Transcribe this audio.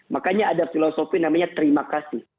makanya ada filosofi namanya terima kasih